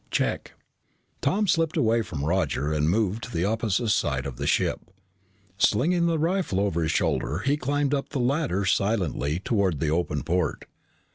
"Check." Tom slipped away from Roger and moved to the opposite side of the ship. Slinging the rifle over his shoulder, he climbed up the ladder silently toward the open port.